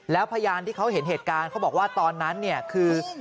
แล้วพยานที่เขาเห็นเหตุการณ์เขาบอกว่าตอนนั้นเนี่ยคือ